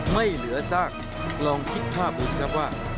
ไม่เหลือซากลองคิดภาพดูสิครับว่า